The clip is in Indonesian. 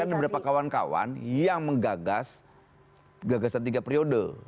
ada beberapa kawan kawan yang menggagas gagasan tiga periode